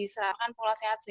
selamatkan pola sehat